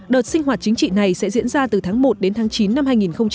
đợt sinh hoạt chính trị này sẽ diễn ra từ tháng một đến tháng chín năm hai nghìn hai mươi